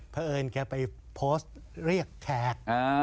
แพอไปโพสต์เรียกแขก